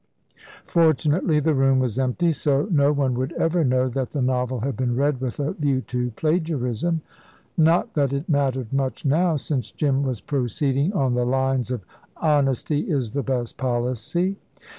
Fortunately, the room was empty, so no one would ever know that the novel had been read with a view to plagiarism. Not that it mattered much now, since Jim was proceeding on the lines of "Honesty is the best policy."